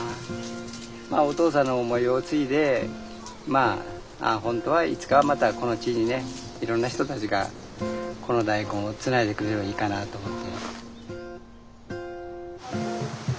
お父さんの思いを継いで本当はいつかまたこの地にいろんな人たちがこの大根をつないでくれればいいかなと思って。